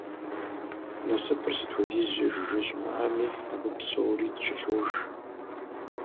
Насыпыр сыт хуэдизкӀэ жыжьэ щымыӀами, абы псори дыкӀэлъожэ.